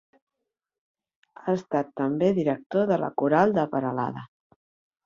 Ha estat també director de la Coral de Peralada.